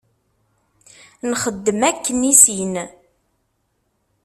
Nxeddem akken i sin.